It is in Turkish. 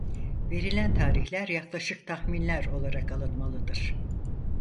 Verilen tarihler yaklaşık tahminler olarak alınmalıdır.